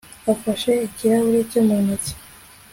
afashe ikirahure cye mu ntoki